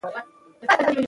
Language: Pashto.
بې باورۍ اصلاح ستونزمنه کوي